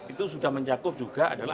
itu sudah mencakup juga adalah